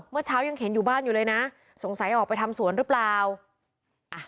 เมื่อเช้ายังเข็นอยู่บ้านอยู่เลยนะสงสัยออกไปทำสวนหรือเปล่าอ่ะ